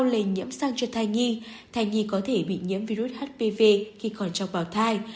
lây nhiễm sang cho thai nhi thai nhi có thể bị nhiễm virus hpv khi còn trong bảo thai